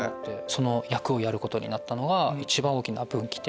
その役をやることになったのが一番大きな分岐点。